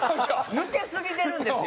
抜けすぎてるんですよ。